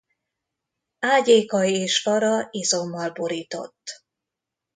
Ágyéka és fara izommal borított.